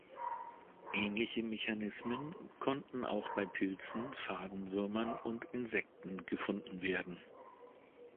Ähnliche Mechanismen konnten auch bei Pilzen, Fadenwürmern und Insekten gefunden werden.